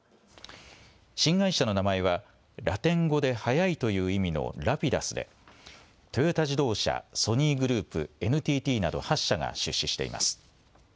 新会社の名前はラテン語で速いという意味のＲａｐｉｄｕｓでトヨタ自動車、ソニーグループ、ＮＴＴなど８社が出資しています。